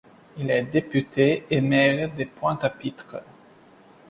Il est député et maire de Pointe-à-Pitre.